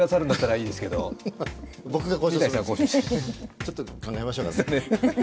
ちょっと考えましょうか。